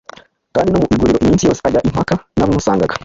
kandi no mu iguriro iminsi yose ajya impaka n’abamusangaga.”